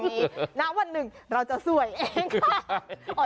อย่าจะบอกตรงนี้ณวันหนึ่งเราจะสวยเองค่ะ